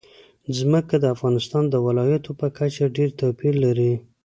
ځمکه د افغانستان د ولایاتو په کچه ډېر توپیر لري.